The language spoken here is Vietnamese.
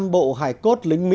hai trăm linh bộ hài cốt binh sĩ